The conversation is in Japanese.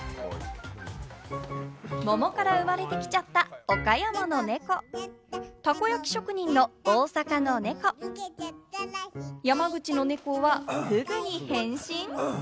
桃から生まれてきちゃった岡山のネコ、たこ焼き職人の大阪のネコ、山口のネコは、ふぐに変身！